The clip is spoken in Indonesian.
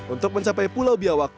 untuk mencapai pulau biawak